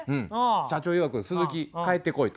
社長いわく「鈴木帰ってこい」と。